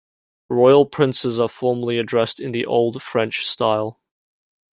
Royal princes are formally addressed in the old French style.